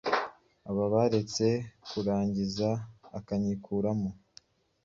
aba aretse kurangiza akayikuramo